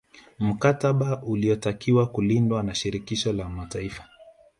Mktaba uliotakiwa kulindwa na Shirikisho la Mataifa